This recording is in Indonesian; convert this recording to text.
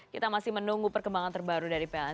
kita masih menunggu perkembangan terbaru dari pln